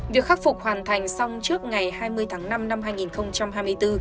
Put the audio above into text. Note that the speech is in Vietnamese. việc khắc phục hoàn thành xong trước ngày hai mươi tháng năm năm hai nghìn hai mươi bốn